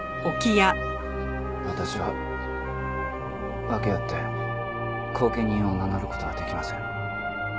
私は訳あって後見人を名乗る事はできません。